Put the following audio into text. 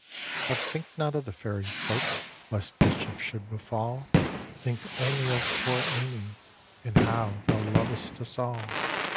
"But think not of the Fairy folk, Lest mischief should befall; Think only of poor Amy, And how thou lov'st us all.